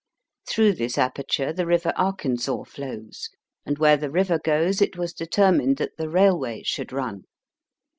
Through this aperture the river Arkansas flows, and where the river goes it was deter mined that the railway should run.